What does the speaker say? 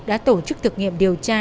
đã tổ chức thực nghiệm điều tra